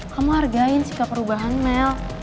kamu hargain sikap perubahan mel